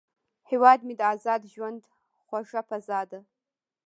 هیواد مې د ازاد ژوند خوږه فضا ده